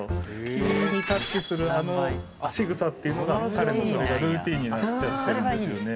木にタッチするあのしぐさっていうのが彼のそれがルーティンになってたりするんですよね